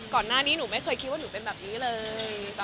ก่อนหน้านี้หนูไม่เคยคิดว่าหนูเป็นแบบนี้เลย